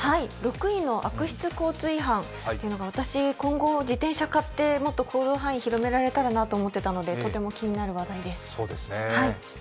６位の悪質交通違反というのが、私、今後、自転車を買ってもっと行動範囲を広められたらなと思っていたので気になる話題です。